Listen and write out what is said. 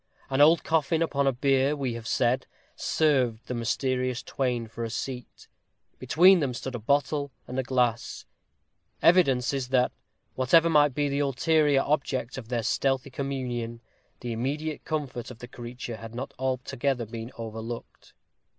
An old coffin upon a bier, we have said, served the mysterious twain for a seat. Between them stood a bottle and a glass, evidences that whatever might be the ulterior object of their stealthy communion, the immediate comfort of the creature had not been altogether overlooked.